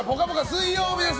水曜日です。